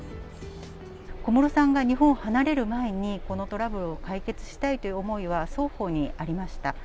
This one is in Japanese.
小室さんが日本を離れる前にこのトラブルを解決したいという思いは、双方にありました。